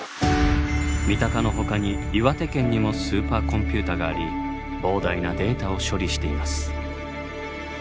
三鷹のほかに岩手県にもスーパーコンピューターがあり膨大なデータを処理しています。